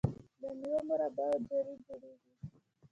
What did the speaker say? د میوو مربا او جیلی جوړیږي.